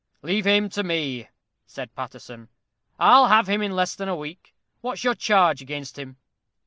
"Leave him to me," said Paterson; "I'll have him in less than a week. What's your charge against him?"